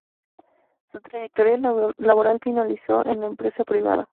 Su trayectoria laboral finalizó en la empresa privada.